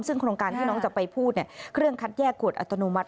ซึ่งโครงการที่น้องจะไปพูดเครื่องคัดแยกขวดอัตโนมัติ